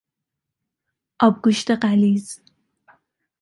آبگوشت غلیظ